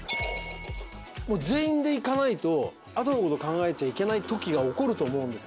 全員でいかないとあとの事考えちゃいけない時が起こると思うんですね。